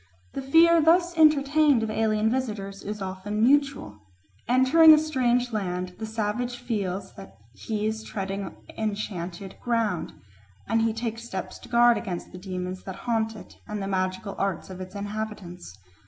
The fear thus entertained of alien visitors is often mutual. Entering a strange land the savage feels that he is treading enchanted ground, and he takes steps to guard against the demons that haunt it and the magical arts of its inhabitants.